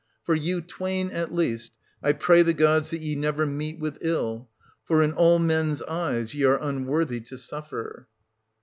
— For you twain, at least, I pray the gods that ye never meet with ill ; for in all men's eyes ye are unworthy to suffer.